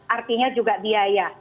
artinya juga biaya